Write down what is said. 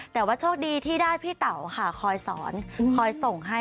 แต่ว่าโชคดีที่ได้พี่เต๋าค่ะคอยสอนคอยส่งให้